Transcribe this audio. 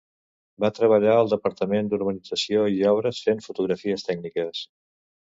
Va treballar al Departament d'Urbanització i Obres fent fotografies tècniques.